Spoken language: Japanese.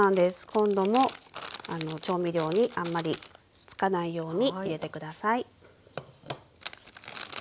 今度も調味料にあんまりつかないように入れて下さい。